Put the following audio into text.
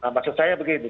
maksud saya begini